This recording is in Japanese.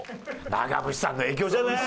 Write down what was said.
長渕さんの影響じゃない？